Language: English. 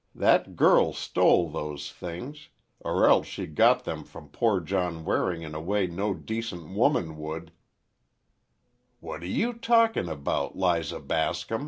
That girl stole those things, or else she got them from poor John Waring in a way no decent woman would—" "What are you talking about, Liza Bascom?"